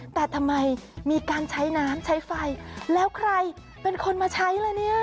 แต่ทำไมมีการใช้น้ำใช้ไฟแล้วใครเป็นคนมาใช้ล่ะเนี่ย